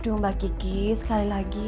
aduh mbak kiki sekali lagi